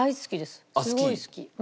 すごい好き。